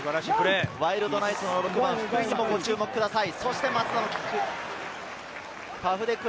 ワイルドナイツの６番・福井にもご注目ください。